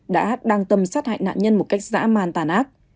đã đang tâm sát hại nạn nhân một cách dã man tàn ác